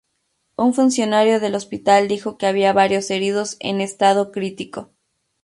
Un funcionario del hospital dijo que había varios heridos en estado crítico.